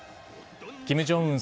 キム・ジョンウン